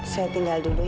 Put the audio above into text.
saya tinggal dulu ya